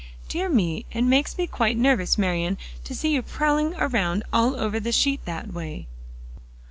"Dear me, it makes me quite nervous, Marian, to see you prowling around all over the sheet that way."